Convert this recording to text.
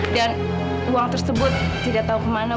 dan uang tersebut tidak tahu ke mana